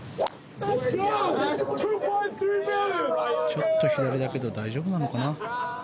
ちょっと左だけど大丈夫なのかな。